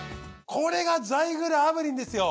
これがザイグル炙輪ですよ。